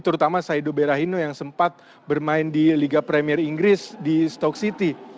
terutama saido berahino yang sempat bermain di liga premier inggris di stock city